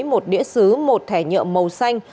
một đĩa xứ một thẻ nhựa màu xanh